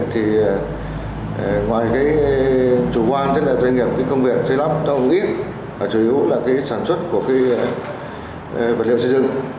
thì ngoài chủ quan doanh nghiệp công việc xây lắp trong hồng nghiệp và chủ yếu là sản xuất của vật liệu xây dựng